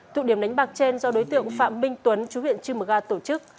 tụ điểm đánh bạc trên do đối tượng phạm minh tuấn chú huyện chư mực a tổ chức